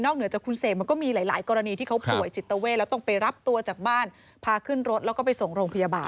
เหนือจากคุณเสกมันก็มีหลายกรณีที่เขาป่วยจิตเวทแล้วต้องไปรับตัวจากบ้านพาขึ้นรถแล้วก็ไปส่งโรงพยาบาล